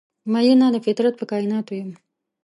میینه د فطرت په کائیناتو یم